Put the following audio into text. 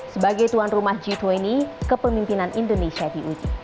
sebagai tuan rumah g dua puluh kepemimpinan indonesia diuji